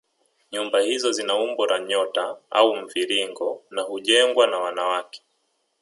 Nyumba hizo zina umbo la nyota au mviringo na hujengwa na wanawake